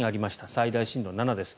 最大震度７です。